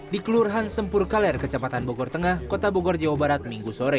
di kelurahan sempur kaler kecepatan bogor tengah kota bogor jawa barat minggu sore